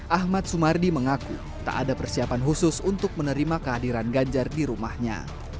ahmad sumardi mengaku tak ada persiapan khusus untuk menerima kehadiran ganjar di rumahnya